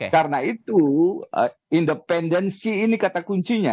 karena itu independensi ini kata kuncinya